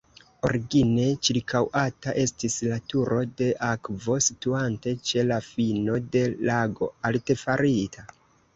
Origine ĉirkaŭata estis la turo de akvo, situante ĉe la fino de lago artefarita.